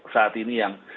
saat ini yang